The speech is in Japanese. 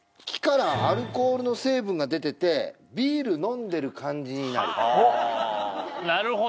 「木からアルコールの成分がでてて」「ビールのんでる感じになる」